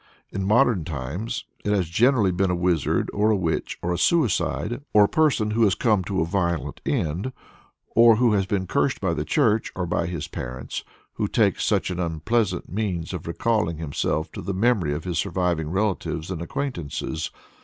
In modern times it has generally been a wizard, or a witch, or a suicide, or a person who has come to a violent end, or who has been cursed by the Church or by his parents, who takes such an unpleasant means of recalling himself to the memory of his surviving relatives and acquaintances.